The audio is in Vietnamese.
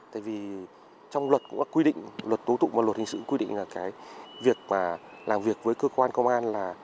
tại vì trong luật cũng đã quy định luật tố tụng và luật hình sự quy định là cái việc mà làm việc với cơ quan công an là